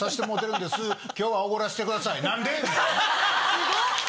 すごっ！